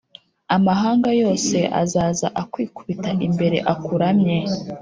Amahanga yose azaza akwikubita imbere akuramye,